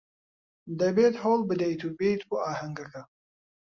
دەبێت هەوڵ بدەیت و بێیت بۆ ئاهەنگەکە.